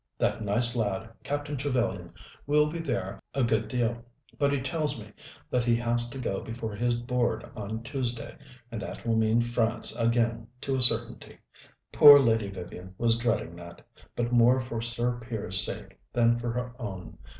That nice lad, Captain Trevellyan, will be there a good deal, but he tells me that he has to go before his Board on Tuesday, and that will mean France again to a certainty. Poor Lady Vivian was dreading that but more for Sir Piers's sake than for her own.